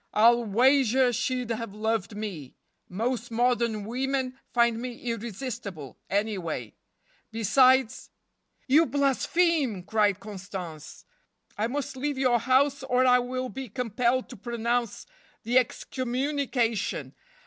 I'll wager she'd have loved me. Most modern women find me irresistible, anyway. Besides " "You blaspheme!" cried Constance, "I must leave your house or I will be compelled to pronounce the excommunication.